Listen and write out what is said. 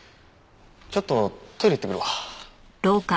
ちょっとトイレ行ってくるわ。